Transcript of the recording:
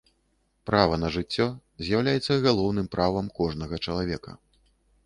Права на жыццё з'яўляецца галоўным правам кожнага чалавека.